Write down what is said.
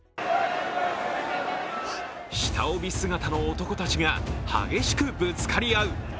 下帯姿の男たちが激しくぶつかり合う。